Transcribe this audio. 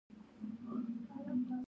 نو ستالجیا یا تېر مهال ته ورتګ ده.